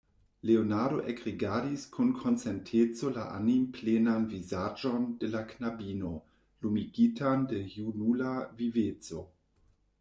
Leonardo ekrigardis kun konsenteco la animplenan vizaĝon de la knabino, lumigitan de junula viveco.